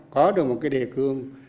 có được một cái đề cương